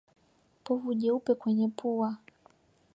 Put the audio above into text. Povu jeupe kwenye pua